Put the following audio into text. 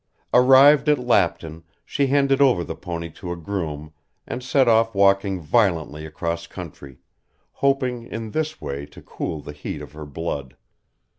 Arrived at Lapton she handed over the pony to a groom and set off walking violently across country, hoping in this way to cool the heat of her blood.